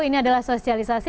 ini adalah sosialisasi